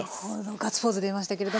ガッツポーズ出ましたけれども。